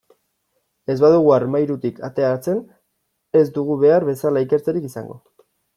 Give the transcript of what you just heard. Ez badugu armairutik ateratzen, ez dugu behar bezala ikertzerik izango.